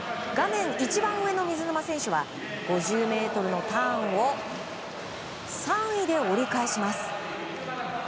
画面一番上の水沼選手は５０ｍのターンを３位で折り返します。